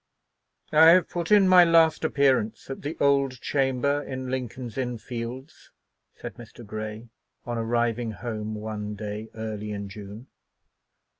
"I have put in my last appearance at the old chamber in Lincoln's Inn Fields," said Mr. Grey, on arriving home one day early in June.